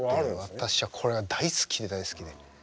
私はこれが大好きで大好きで。